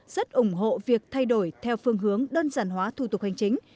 rất ủng hộ việc thay đổi theo phương hướng đơn giản hóa thủ tục hành chính